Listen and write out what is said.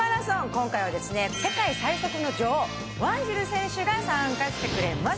今回は世界最速の女王、ワンジル選手が参加してくれます。